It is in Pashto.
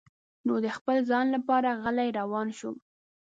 نو د خپل ځان لپاره غلی روان شو.